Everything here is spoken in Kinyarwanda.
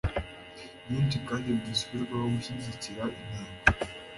byinshi kandi bidasubirwaho gushyigikira intego